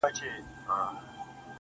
دا هم له تا جار دی، اې وطنه زوروره~